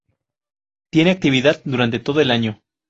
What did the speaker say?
Tiene actividad durante todo el año.